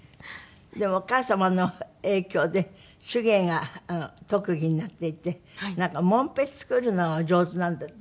でもお母様の影響で手芸が特技になっていてなんかもんぺ作るのがお上手なんだって？